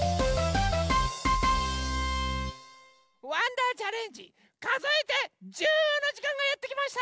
「わんだーチャレンジかぞえて１０！」のじかんがやってきました！